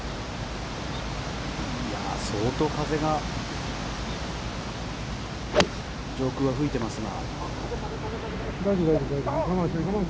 相当、風が上空は吹いていますが。